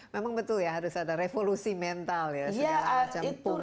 memang betul ya harus ada revolusi mental ya sudah macam pungli pungli